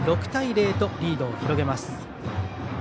６対０とリードを広げます。